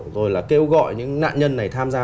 rồi là kêu gọi những nạn nhân này tham gia